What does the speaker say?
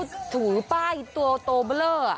ก็ถูป้ายตัวโตเบลออ่ะ